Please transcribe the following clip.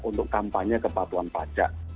untuk kampanye kepatuhan pajak